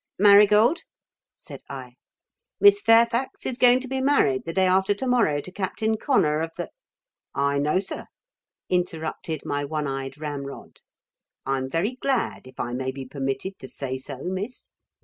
"Marigold," said I, "Miss Fairfax is going to be married the day after to morrow to Captain Connor of the " "I know, sir," interrupted my one eyed ramrod. "I'm very glad, if I may be permitted to say so, Miss.